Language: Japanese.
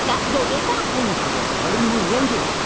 こんことは誰にも言わんけぇ！